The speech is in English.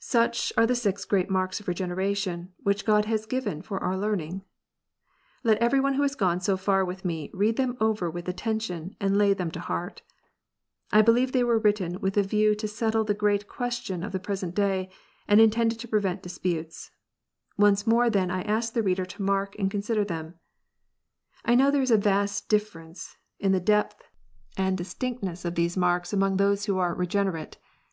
Such are the six great marks of Regeneration, which God has given for our learning. Let every one who has gone so far with me, read them over with attention, and lay them to heart. I believe they were written with a view to settle the great question of the present day, and intended to prevent disputes. Once more, then, I ask the reader to mark and consider them. I know there is a vast difference in the depth and distinct REGENERATION. 129 ness of these marks among those who are "regenerate."